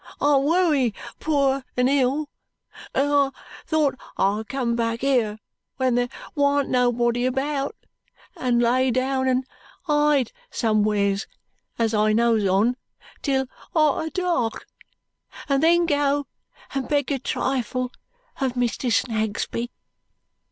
I'm wery poor and ill, and I thought I'd come back here when there warn't nobody about, and lay down and hide somewheres as I knows on till arter dark, and then go and beg a trifle of Mr. Snagsby.